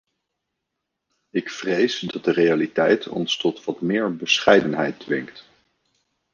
Ik vrees dat de realiteit ons tot wat meer bescheidenheid dwingt.